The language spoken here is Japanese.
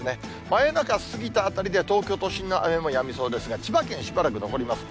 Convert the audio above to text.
真夜中過ぎたあたりで、東京都心の雨もやみそうですが、千葉県、しばらく残ります。